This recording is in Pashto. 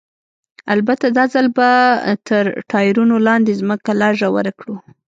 البته دا ځل به تر ټایرونو لاندې ځمکه لا ژوره کړو.